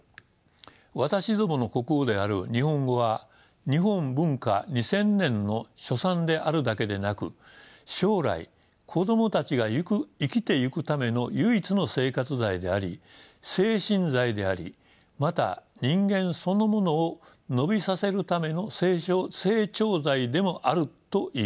私どもの国語である日本語は日本文化２，０００年の所産であるだけでなく将来子供たちが生きてゆくための唯一の生活材であり精神材でありまた人間そのものを伸びさせるための成長材でもあるといいます。